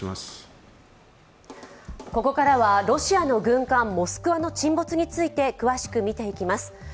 ここからはロシアの軍艦「モスクワ」の沈没について詳しく見ていきます。